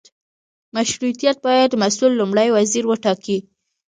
مشروطیت باید مسوول لومړی وزیر وټاکي.